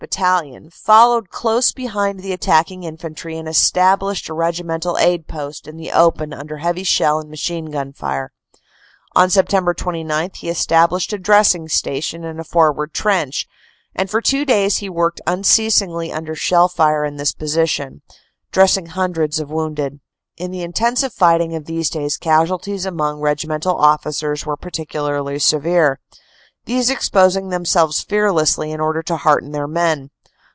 Battalion, fol lowed close behind the attacking infantry and established a regimental aid post in the open under heavy shell and machine gun fire. On Sept. 29 he established a dressing station in a forward trench, and for two days he worked unceasingly under shell fire in this position, dressing hundreds of wounded. In the intensive fighting of these days casualties among regimental officers were particularly severe, these exposing themselves fearlessly in order to hearten their men.